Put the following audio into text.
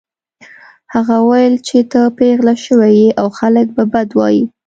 هغه وویل چې ته پیغله شوې يې او خلک به بد وايي